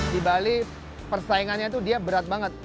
di bali persaingannya itu dia berat banget